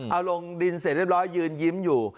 เอาลงดินเสร็จเรียบร้อยยืนยิ้มอยู่